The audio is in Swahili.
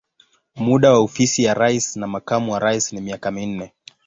Muda wa ofisi ya rais na makamu wa rais ni miaka minne.